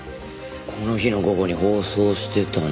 この日の午後に放送してたのは。